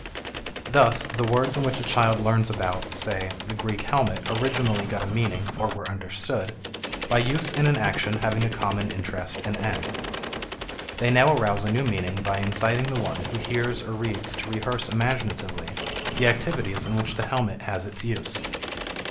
Thus the words in which a child learns about, say, the Greek helmet originally got a meaning (or were understood) by use in an action having a common interest and end. They now arouse a new meaning by inciting the one who hears or reads to rehearse imaginatively the activities in which the helmet has its use.